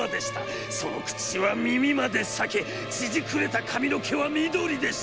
その口は耳までさけ、ちぢくれた髪の毛は緑でした。